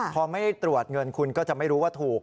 พอไม่ได้ตรวจเงินคุณก็จะไม่รู้ว่าถูก